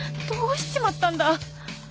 どうしちまったんだ？